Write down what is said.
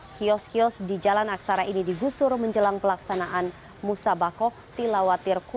kios kios di jalan aksara ini digusur menjelang pelaksanaan musabakok tilawatirku